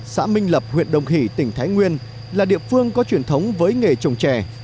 xã minh lập huyện đồng hỷ tỉnh thái nguyên là địa phương có truyền thống với nghề trồng chè